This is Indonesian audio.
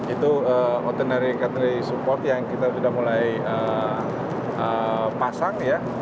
itu ortinary catering support yang kita sudah mulai pasang ya